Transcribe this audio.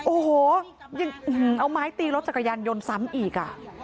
โอ้โหยังเอาไม้ตีรถจักรยานยนต์ซ้ำอีก